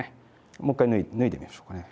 もう一回脱いでみましょうかね。